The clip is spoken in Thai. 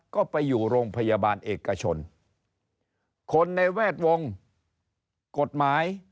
ก็ไปอยู่โรงพยาบาลเอกชนคนในแวดวงกฎหมาย